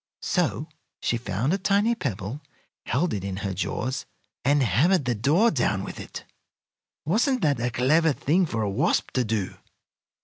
So she found a tiny pebble, held it in her jaws, and hammered the door down with it. Wasn't that a clever thing for a wasp to do?